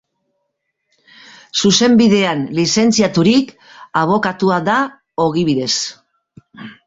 Zuzenbidean lizentziaturik, abokatua da ogibidez.